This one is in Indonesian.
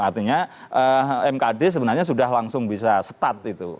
artinya mkd sebenarnya sudah langsung bisa start itu